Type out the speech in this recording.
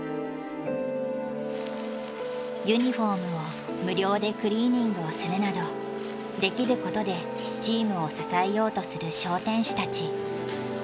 ユニフォームを無料でクリーニングをするなどできることでチームを支えようとする商店主たち。